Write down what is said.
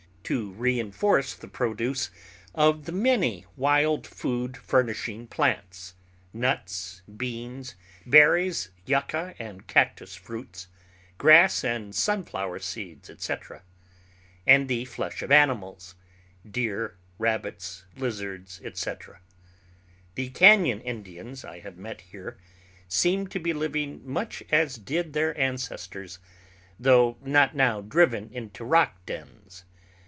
to reinforce the produce of the many wild food furnishing plants—nuts, beans, berries, yucca and cactus fruits, grass and sunflower seeds, etc.—and the flesh of animals—deer, rabbits, lizards, etc. The cañon Indians I have met here seem to be living much as did their ancestors, though not now driven into rock dens.